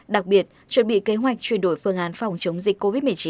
đặc biệt chuẩn bị kế hoạch chuyển đổi phương án phòng chống dịch covid một mươi chín